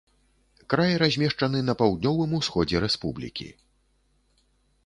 Край размешчаны на паўднёвым усходзе рэспублікі.